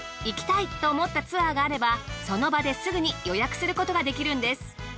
行きたいと思ったツアーがあればその場ですぐに予約することができるんです。